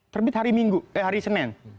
terbit hari minggu eh hari senin